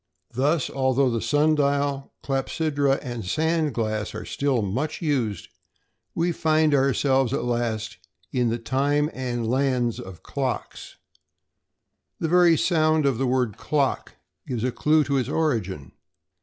Thus, although the sun dial, clepsydra and sand glass are still much used, we find ourselves at last in the time and lands of clocks. The very sound of the word "clock" gives a clue to its origin.